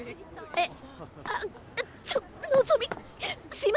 えっ？